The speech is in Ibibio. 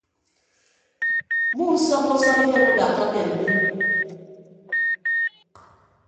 Muusọppọsọp idem udakka ke mmi.